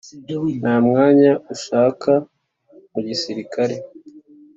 Ntamwanya ushaka mugisilikare?